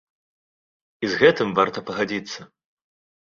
І з гэтым варта пагадзіцца.